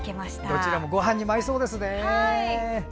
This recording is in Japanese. どちらもごはんに合いそうですね。